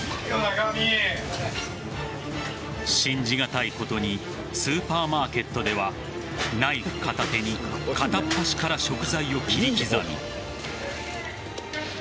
信じがたいことにスーパーマーケットではナイフ片手に片っ端から食材を切り刻み。